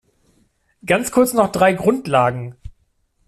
Ganz kurz noch drei Grundlagen.